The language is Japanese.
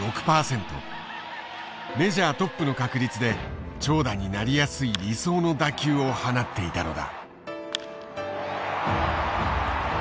メジャートップの確率で長打になりやすい理想の打球を放っていたのだ。